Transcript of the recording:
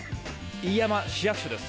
飯山市役所です。